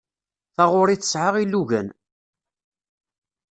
Taɣuri tesɛa ilugan.